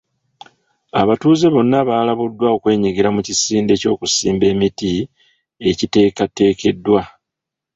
Abatuuze bonna balabuddwa okwenyigira mu kisinde ky'okusimba emiti ekiteekateekeddwa.